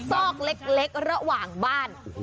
ซอกเล็กระหว่างบ้าน